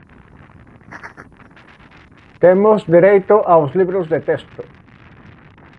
Temos dereito aos libros de texto!